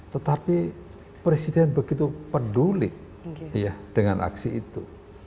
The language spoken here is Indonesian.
tetapi presiden begitu peduli dengan aksi itu